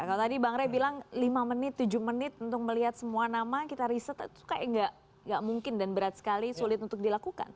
kalau tadi bang ray bilang lima menit tujuh menit untuk melihat semua nama kita riset itu kayak gak mungkin dan berat sekali sulit untuk dilakukan